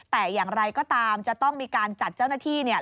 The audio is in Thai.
แต่อย่างไรก็ตามจะต้องมีการจัดเจ้าหน้าที่เนี่ย